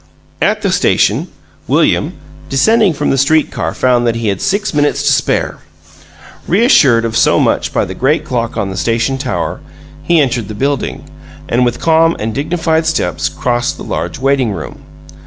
... At the station, William, descending from the street car, found that he had six minutes to spare. Reassured of so much by the great clock in the station tower, he entered the building, and, with calm and dignified steps, crossed the large waiting room.